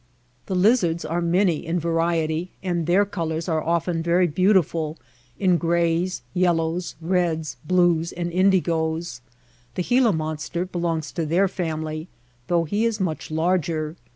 The lizards are many in variety, and their colors are often very beautiful in grays, yellows, reds, blues, and indigoes. The Gila monster belongs to their family, though he is much larger.